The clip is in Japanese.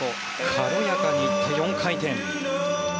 軽やかにいった４回転。